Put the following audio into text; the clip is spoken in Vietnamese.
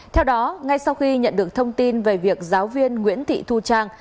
theo đó ngay sau khi nhận được thông tin về việc giáo viên nguyễn thị thu trang